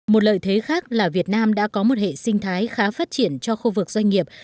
một lợi thế khác là việt nam đã có một hệ sinh thái khá phát triển cho khu vực doanh nghiệp